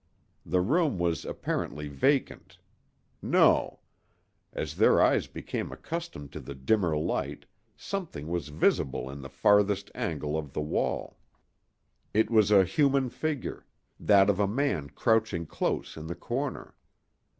The room was apparently vacant—no; as their eyes became accustomed to the dimmer light something was visible in the farthest angle of the wall. It was a human figure—that of a man crouching close in the corner.